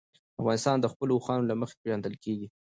افغانستان د خپلو اوښانو له مخې پېژندل کېږي.